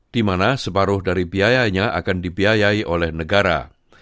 di mana separuh dari biayanya akan dibiayai oleh negara